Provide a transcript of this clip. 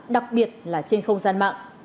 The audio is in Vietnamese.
đặc biệt là trên không gian mạng